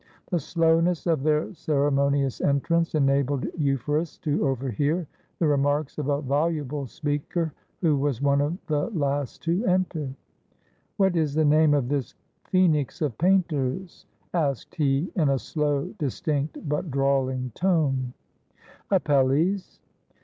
The slowness of their ceremonious entrance enabled Euphorus to overhear the remarks of a voluble speaker, who was one of the last to enter. "What is the name of this Phoenix of painters?" asked he, in a slow, distinct, but drawling tone. "Apelles."